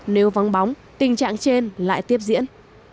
nếu vắng bóng tình trạng trên lại tiếp diễn